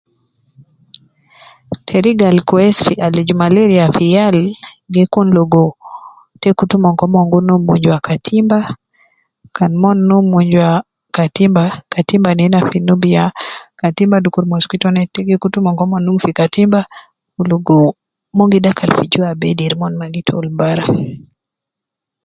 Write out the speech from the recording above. Teriga al kwesi fi aliju malaria fi yal gi kun logo te kutu omon ke omon num min jua katimba kan mon num min jua katimba , katimba nena fi Nubi ya katimba dukur mosquito net te gi kutu omon ke omon num fi katimba ligo mon gi dakal fi jua bedir mon ma gi tolu bara